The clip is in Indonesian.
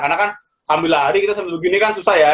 karena kan sambil lari kita sambil begini kan susah ya